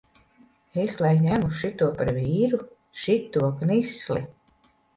Es lai ņemu šito par vīru, šito knisli!